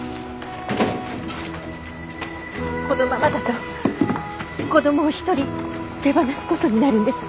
このままだと子供を一人手放すことになるんです。